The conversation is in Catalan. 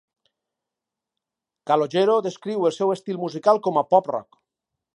Calogero descriu el seu estil musical com a pop rock.